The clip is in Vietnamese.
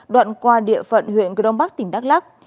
đoạn qua địa phận huyện cơ đông bắc tỉnh đắk lắc